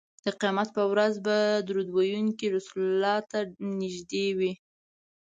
د قیامت په ورځ به درود ویونکی رسول الله ته نږدې وي